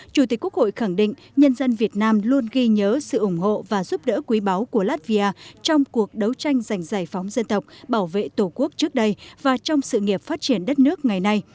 chủ tịch quốc hội khẳng định nhân dân việt nam luôn ghi nhớ sự ủng hộ và giúp đỡ quý báu của latvia trong cuộc đấu tranh giành giải phóng dân tộc bảo vệ tổ quốc trước đây và trong sự nghiệp phát triển đất nước ngày nay